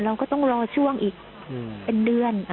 เราก็ต้องรอช่วงอีกเป็นเดือน